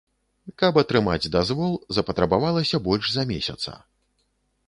Каб атрымаць дазвол, запатрабавалася больш за месяца.